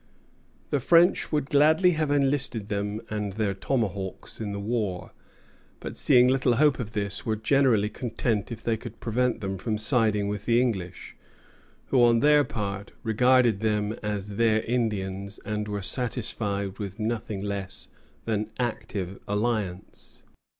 The French would gladly have enlisted them and their tomahawks in the war; but seeing little hope of this, were generally content if they could prevent them from siding with the English, who on their part regarded them as their Indians, and were satisfied with nothing less than active alliance.